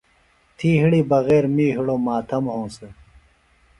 تھی ہِڑی بغیر می ہِڑوۡ ماتم ہونسہ۔